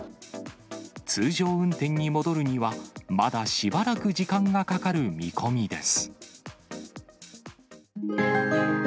通常運転に戻るには、まだしばらく時間がかかる見込みです。